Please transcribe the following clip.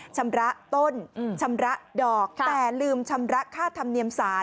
ชำระต้นชำระดอกแต่ลืมชำระค่าธรรมเนียมสาร